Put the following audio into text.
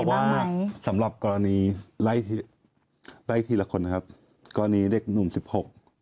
น้องบอกว่าสำหรับกรณีไร้ทีละคนนะครับกรณีเด็กหนุ่มสิบหก